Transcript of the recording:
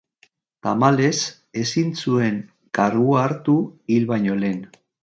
Tamalez, ezin zuen kargua hartu hil baino lehen.